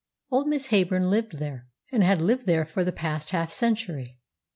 Old Miss Heyburn lived there, and had lived there for the past half century.